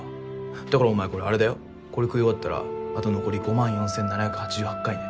だからお前これあれだよこれ食い終わったらあと残り５万４，７８８回ね。